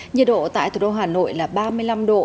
nhiệt độ tại thủ đô hà nội là ba mươi năm độ